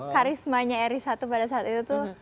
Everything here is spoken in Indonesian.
karismanya ri satu pada saat itu